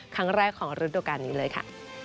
ครั้งแรกของฤดูการนี้เลยค่ะ